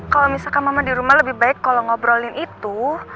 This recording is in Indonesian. kalau misalkan mama di rumah lebih baik kalau ngobrolin itu